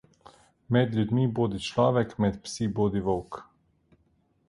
Med ljudmi bodi človek, med psi bodi volk.